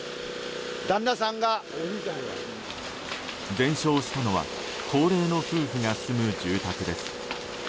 全焼したのは高齢の夫婦が住む住宅です。